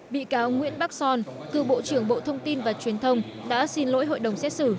bị cáo nguyễn bắc son cư bộ trưởng bộ thông tin và truyền thông đã xin lỗi hội đồng xét xử